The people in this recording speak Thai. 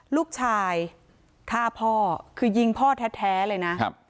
ลูกชายฆ่าพ่อคือยิงพ่อแท้เลยนะ